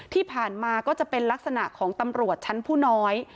ที่ผ่านมาก็จะเป็นลักษณะของตำรวจชั้นผู้น้อย